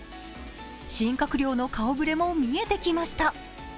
新閣僚の顔ぶれも見えてきました。